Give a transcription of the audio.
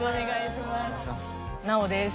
ナオです。